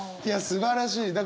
いやすばらしい。